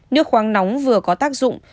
nước khoáng nóng vừa có tác dụng